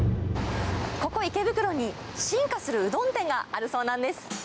ここ池袋に、進化するうどん店があるそうなんです。